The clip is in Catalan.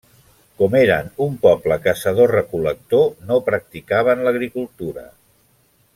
Com eren un poble caçador-recol·lector, no practicaven l'agricultura.